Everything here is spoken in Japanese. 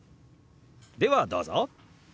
ではどうぞ！